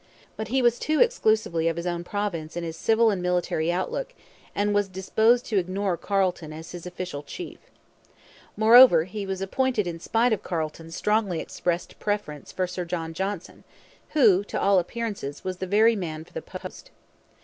But he was too exclusively of his own province in his civil and military outlook and was disposed to ignore Carleton as his official chief. Moreover, he was appointed in spite of Carleton's strongly expressed preference for Sir John Johnson, who, to all appearances, was the very man for the post.